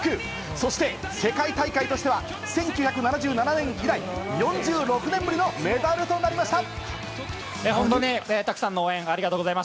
そして世界大会としては１９７７年以来４６年ぶりのメダルとなりました。